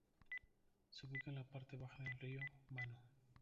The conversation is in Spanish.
Se ubica en la parte baja del río Manu.